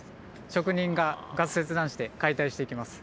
職人がガス切断して解体していきます。